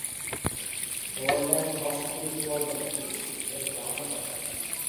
Order of the Golden Fleece விருது வழங்கப்பட்டது.